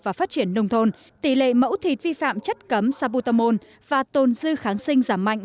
và phát triển nông thôn tỷ lệ mẫu thịt vi phạm chất cấm saputamol và tôn dư kháng sinh giảm mạnh